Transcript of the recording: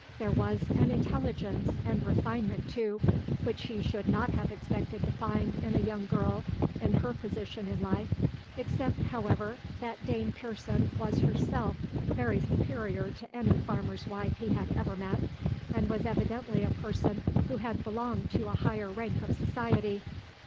There was an intelligence and refinement, too, which he should not have expected to find in a young girl in her position in life, except, however, that Dame Pearson was herself very superior to any farmer's wife he had ever met, and was evidently a person who had belonged to a higher rank of society.